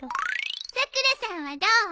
さくらさんはどう思う？